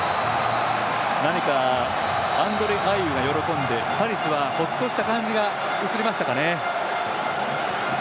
何か、アンドレ・アイウが喜んでサリスは、ほっとした感じが映りましたかね。